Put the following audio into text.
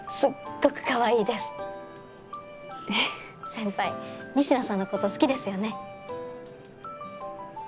先輩仁科さんのこと好きですよね？